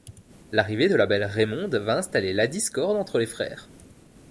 L'arrivée de la belle Raymonde va installer la discorde entre les frères.